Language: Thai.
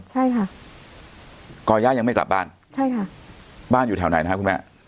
ใช่ค่ะก่อย่ายังไม่กลับบ้านใช่ค่ะบ้านอยู่แถวไหนนะคะคุณแม่